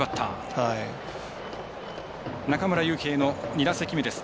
中村悠平の２打席目です。